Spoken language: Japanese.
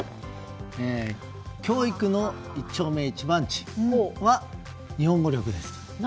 教育の一丁目一番地は日本語力ですと。